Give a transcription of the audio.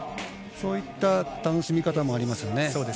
そういった楽しみ方もありますね。